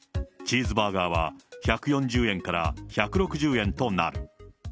チーズバーガーは１４０円から１６０円となる。